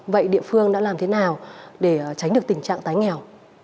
vậy địa phương đã làm thế nào để tránh được tình trạng tái nghèo